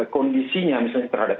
kondisinya misalnya terhadap